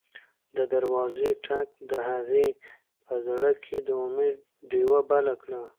د دروازې ټک د هغې په زړه کې د امید ډېوه بله کړه.